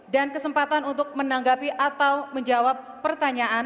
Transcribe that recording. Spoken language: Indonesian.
dan kesempatan untuk menanggapi atau menjawab pertanyaan atau pertanyaan yang ditanya